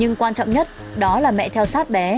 nhưng quan trọng nhất đó là mẹ theo sát bé